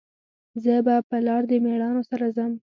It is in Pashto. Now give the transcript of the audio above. زه به په لار د میړانو سره ځم